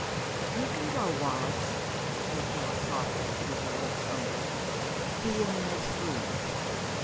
"You can go, Wallis," said Phyllis softly, with her lips only. "Be in the next room."